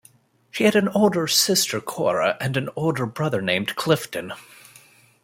She had an older sister, Cora, and an older brother named Clifton.